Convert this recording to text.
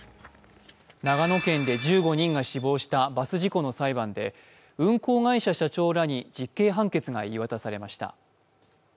長野県で１５人が死亡したバス事故の裁判で、運行会社社長らに実刑判決が言い渡されました。